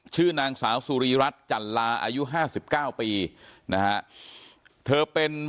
ชื่อนางสาวสุริรัติจัลลาอายุ๕๙ปีนะฮะเธอเป็น